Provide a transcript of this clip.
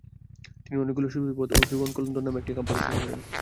তিনি অনেকগুলি সুফিপদ ও যোগকলন্দর নামে একটি কাব্য রচনা করেন।